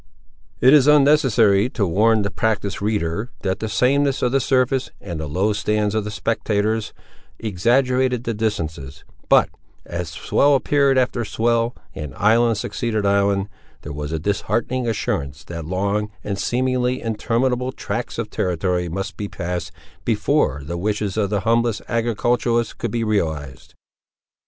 It is unnecessary to warn the practised reader, that the sameness of the surface, and the low stands of the spectators, exaggerated the distances; but, as swell appeared after swell, and island succeeded island, there was a disheartening assurance that long, and seemingly interminable, tracts of territory must be passed, before the wishes of the humblest agriculturist could be realised.